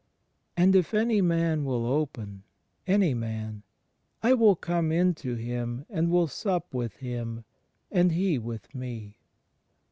" And if any man will open — (any man!) — I will come in to him and wiU sup with hhn and he with Me."